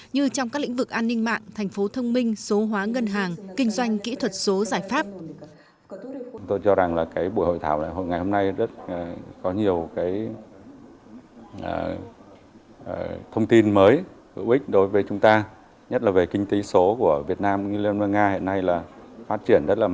như trong các lĩnh vực an ninh mạng thành phố thông minh số hóa ngân hàng kinh doanh kỹ thuật số giải pháp